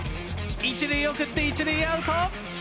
１塁へ送って１塁、アウト！